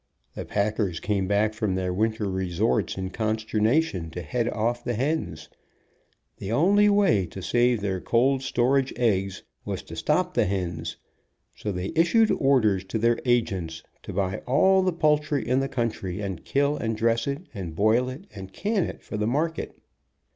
The packers came back from their winter resorts in consternation, to head off the hens. The The hen in politics. THE HEN IN POLITICS 93 only way to save their cold storage eggs was to stop the hens, so they issued orders to their agents to buy all the poultry in the country, and kill and dress it, and boil it and can it for the market.